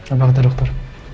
apa kata dokter